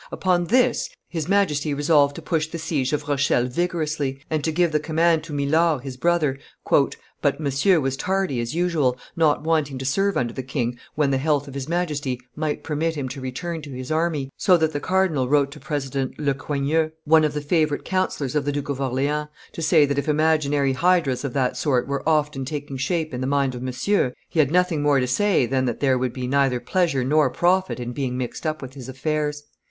Upon this, his Majesty resolved to push the siege of Rochelle vigorously, and to give the command to Mylord his brother; "but Monsieur was tardy as usual, not wanting to serve under the king when the health of his Majesty might permit him to return to his army, so that the cardinal wrote to President Le Coigneux, one of the favorite counsellors of the Duke of Orleans, to say that if imaginary hydras of that sort were often taking shape in the mind of Monsieur, he had nothing more to say than that there would be neither pleasure nor profit in being mixed up with his affairs.